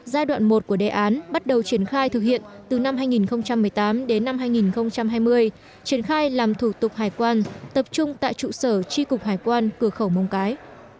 giai đoạn một của đề án bắt đầu triển khai thực hiện từ năm hai nghìn một mươi tám đến năm hai nghìn hai mươi triển khai làm thủ tục hải quan tập trung tại trụ sở tri cục hải quan cửa khẩu móng cái